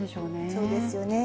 そうですよね。